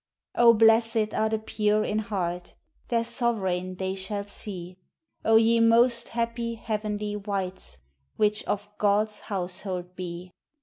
Oh! blessèd are the pure in heart Their sovereign they shall see; O ye most happy, heavenly wights, Which of God's household be!